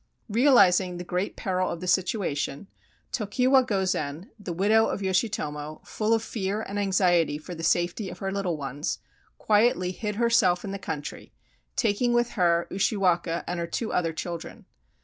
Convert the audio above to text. Realizing the great peril of the situation, Tokiwa Gozen, the widow of Yoshitomo, full of fear and anxiety for the safety of her little ones, quietly hid herself in the country, taking with her Ushiwaka and her two other children.